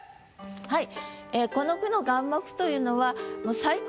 はい。